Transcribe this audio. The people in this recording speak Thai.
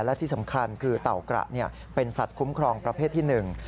และที่สำคัญคือเต่ากระเป็นสัตว์คุ้มครองประเภทที่หนึ่ง